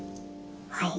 はい。